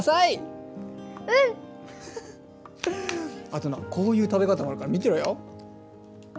あとなこういう食べ方もあるから見てろよ！